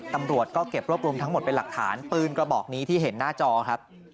ตำรวจก็เก็บรวบรวมทั้งหมดเป็นหลักฐานปืนกระบอกนี้ที่เห็นหน้าจอครับ